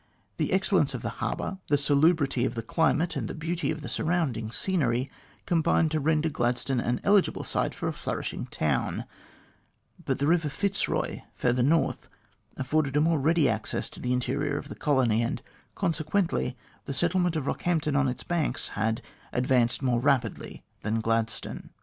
The excellence of the harbour, the salubrity of the climate, and the beauty of the surrounding scenery, combined to render Gladstone an eligible site for a flourishing town ; but the river Fitzroy, further north, afforded a more ready access to the interior of the colony, and consequently the settlement of Kock hampton on its banks had advanced more rapidly than Gladstone.